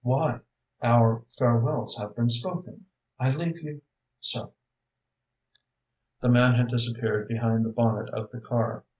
"Why? Our farewells have been spoken. I leave you so." The man had disappeared behind the bonnet of the car.